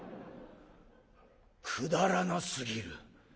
くだらなすぎる。